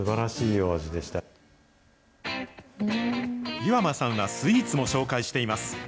岩間さんはスイーツも紹介しています。